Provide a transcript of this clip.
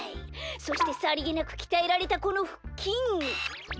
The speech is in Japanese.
そしてさりげなくきたえられたこのふっきん。